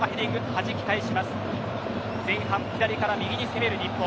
前半、左から右に攻める日本。